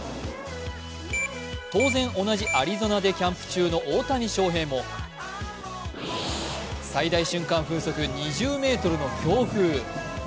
当然、同じアリゾナでキャンプ中の大谷翔平も、最大瞬間風速２０メートルの強風。